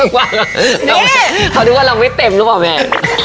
เขาต้องว่านี่เขาต้องว่าเราไม่เต็มรึเปล่าแม่